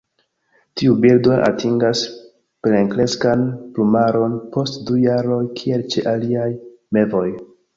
Tiu birdo atingas plenkreskan plumaron post du jaroj kiel ĉe aliaj mevoj.